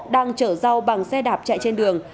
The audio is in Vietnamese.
đang chở rau bằng xe đạp chạy trên đường